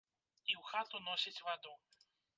І ў хату носіць ваду.